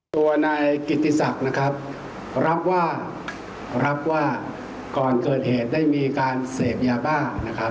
ตัวนายกิติศักดิ์รับว่าก่อนเกิดเหตุได้มีการเสพยาบ้า